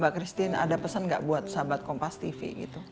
mbak christine ada pesan gak buat sahabat kompas tv gitu